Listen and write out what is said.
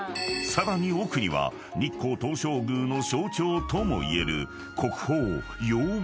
［さらに奥には日光東照宮の象徴ともいえる］